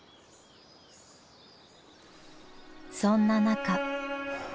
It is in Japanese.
そんな中。